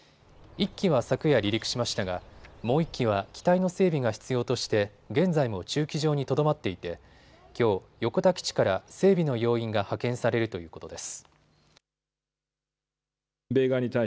１機は昨夜、離陸しましたがもう１機は機体の整備が必要として現在も駐機場にとどまっていてきょう、横田基地から整備の要員が派遣されるということです。